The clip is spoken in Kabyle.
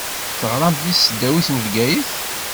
Teɣṛamt di tesdawit n Bgayet.